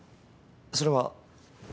それは。